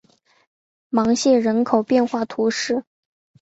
芒谢人口变化图示